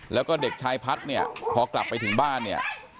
แล้วก็เด็กชายพัฒน์เนี่ยพอกลับไปถึงบ้านเนี่ย